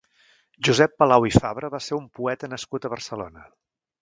Josep Palau i Fabre va ser un poeta nascut a Barcelona.